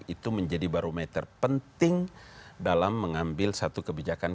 itu menjadi barometer penting dalam mengambil satu kebijakan